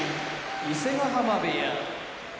伊勢ヶ濱部屋